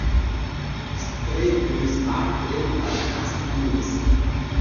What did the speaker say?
Three graves are claimed as Hasekura's.